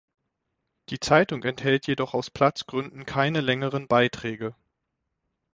Die Zeitung enthält jedoch aus Platzgründen keine längeren Beiträge.